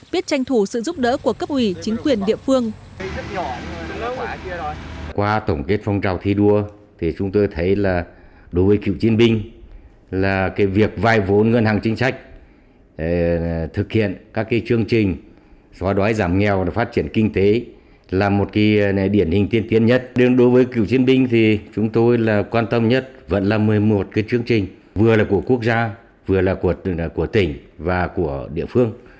biết tranh thủ sự giúp đỡ của cấp ủy chính quyền địa phương